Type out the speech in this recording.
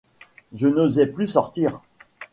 Je n'osais plus sortir.